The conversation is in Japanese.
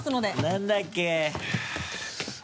何だっけ？